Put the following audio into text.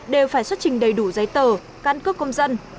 đều phải xuất trình đầy đủ giấy tờ căn cước công dân